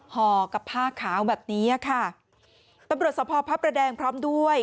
ห่อกับผ้าขาวแบบนี้อ่ะค่ะตำรวจสภพระประแดงพร้อมด้วย